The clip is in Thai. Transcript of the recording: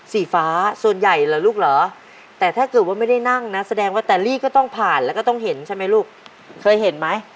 สีฟ้าส่วนใหญ่เหรอลูกเหรอแต่ถ้าเกิดว่าไม่ได้นั่งนะแสดงว่าแตลี่ก็ต้องผ่านแล้วก็ต้องเห็นใช่ไหมลูกเคยเห็นไหม